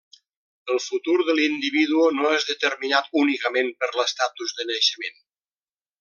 El futur de l'individu no és determinat únicament per l'estatus de naixement.